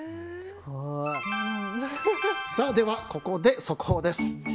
では、ここで速報です。